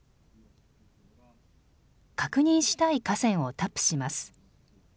確認したい河川をタップします。